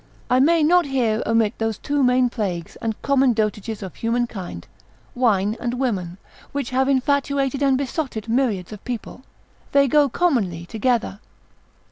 I may not here omit those two main plagues, and common dotages of human kind, wine and women, which have infatuated and besotted myriads of people; they go commonly together.